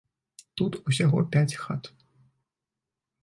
Тут усяго пяць хат.